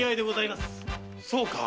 そうか？